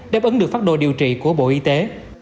đáp ứng được phát đồ điều trị của bộ y tế